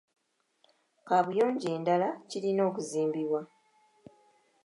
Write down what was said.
Kaabuyonjo endala kirina okuzimbibwa.